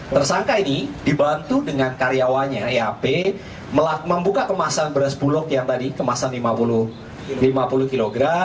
tersangka ini dibantu dengan karyawannya iap membuka kemasan beras bulog yang tadi kemasan lima puluh kg